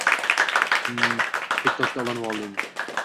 hmmm…Tik tokka ulanvoling